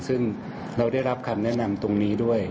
ซึ่งเราได้รับคำแนะนำตรงนี้ด้วย